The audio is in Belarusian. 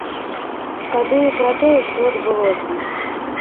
Шкадую пра тое, што адбылося.